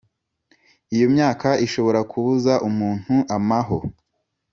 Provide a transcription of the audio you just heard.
Iyo myaka ishobora kubuza umuntu amaho